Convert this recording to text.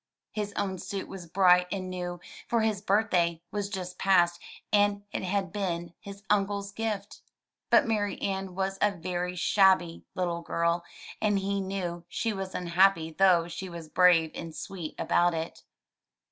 His own suit was bright and new, for his birthday was just past and it had been his uncle's gift. But Marianne was a very shabby little girl, and he knew she was unhappy though she was brave and sweet about it.